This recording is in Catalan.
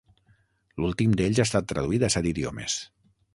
L'últim d'ells ha estat traduït a set idiomes.